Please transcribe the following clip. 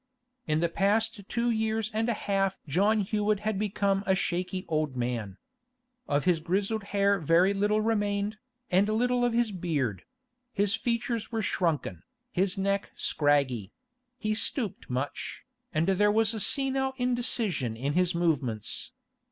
In the past two years and a half John Hewett had become a shaky old man. Of his grizzled hair very little remained, and little of his beard; his features were shrunken, his neck scraggy; he stooped much, and there was a senile indecision in his movements.